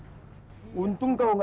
pak lapa'atuh sangat bertungwa